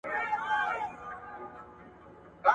د تورو زلفو له ښامار سره مي نه لګیږي!